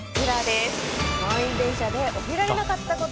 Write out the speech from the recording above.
満員電車から降りられなかったこと。